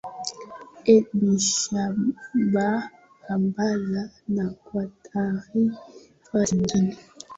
ebi shabaan abdallah na kwa taarifa zingine